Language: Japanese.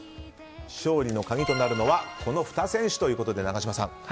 勝利の鍵となるのはこの２選手ということで永島さん。